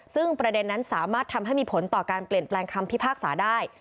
ซึ่งประเด็นนั้นสามารถทำให้มีผลต่อการเปลี่ยนแปลงคำพิพากษาได้